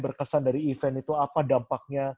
berkesan dari event itu apa dampaknya